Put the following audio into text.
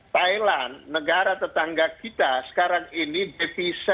thailand negara tetangga kita sekarang ini divisa besarnya adalah dari sportnya